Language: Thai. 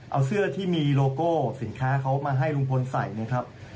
เอาเสื้อที่มีโลโก้สินค้าเขามาให้ลุงพลใส่นะครับ